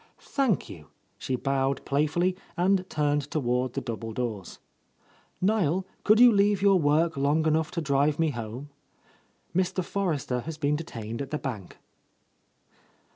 "Thank you !" she bowed playfully and turned toward the double doors. "Niel, could you leave your work long enough to drive me home ? Mr. Forrester has been detained at the bank."